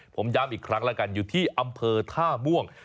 ผมย้ำอีกครั้งแล้วกันอยู่ที่อำเภอท่าม่วง